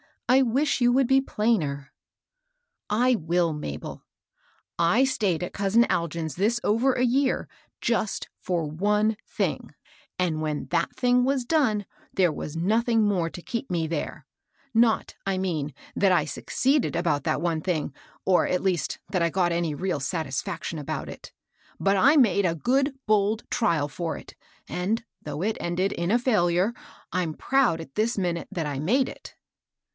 I wish you would be plainer." " I will, Mabel. I stayed at cousin Algin's this over a year just for one thing, and when that thing was done, there was nothing more to keep me there; not, I mean, that I succeeded about that one thing, or, at least, that I got any real satisfaction about it ; but I made a good, bold trial for it, and, HILDA AND HEB MYSTEBT. 67 though it ended in a failure, Pm proud at this minute that I made it."